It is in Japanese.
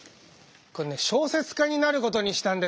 小説家になることにしたんです。